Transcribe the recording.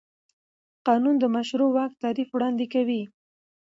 قانون د مشروع واک تعریف وړاندې کوي.